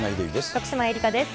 徳島えりかです。